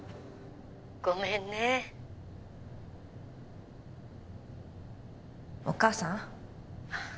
☎ごめんねお母さん？